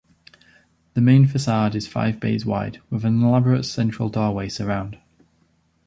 The main facade is five bays wide, with an elaborate central doorway surround.